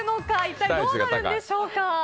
一体どうなるんでしょうか。